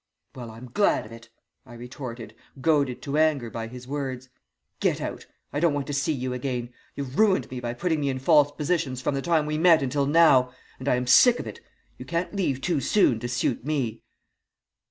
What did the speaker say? "'Well, I'm glad of it,' I retorted, goaded to anger by his words. 'Get out. I don't want to see you again. You've ruined me by putting me in false positions from the time we met until now, and I am sick of it. You can't leave too soon to suit me.'